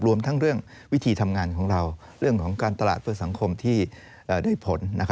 รวมทั้งเรื่องวิธีทำงานของเราเรื่องของการตลาดเพื่อสังคมที่ได้ผล